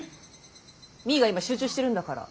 実衣が今集中してるんだから。